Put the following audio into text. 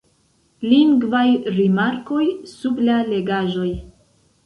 Lingvaj rimarkoj sub la legaĵoj.